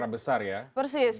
perkara perkara besar ya